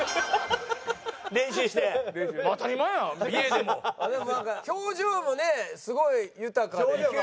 でもなんか表情もねすごい豊かで。